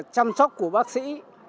chăm sóc của bác sĩ